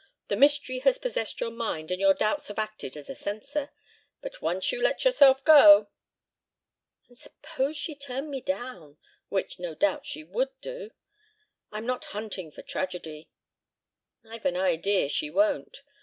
The mystery has possessed your mind and your doubts have acted as a censor. But once let yourself go ..." "And suppose she turned me down which, no doubt, she would do. I'm not hunting for tragedy." "I've an idea she won't.